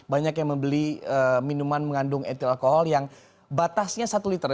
banyak yang membeli minuman mengandung etil alkohol yang batasnya satu liter